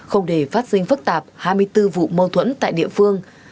không để phát sinh phức tạp hai mươi bốn vụ mâu thuẫn tại địa phương